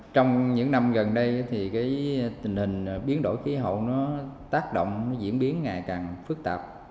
trong những năm gần đây thì cái tình hình biến đổi khí hậu nó tác động nó diễn biến ngày càng phức tạp